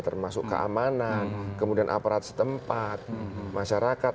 termasuk keamanan kemudian aparat setempat masyarakat